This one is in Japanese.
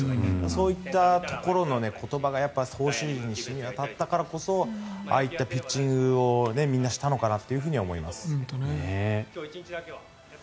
そういったところの言葉が投手陣に染み渡ったからこそああいったピッチングをみんなしたのかなとは思います。